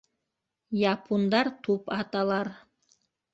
Япундар туп аталар